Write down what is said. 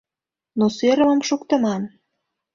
Но сӧрымым шуктыман.